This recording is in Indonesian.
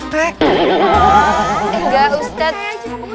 bisa ustaz jah